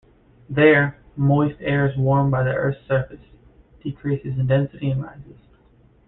There, moist air is warmed by the Earth's surface, decreases in density and rises.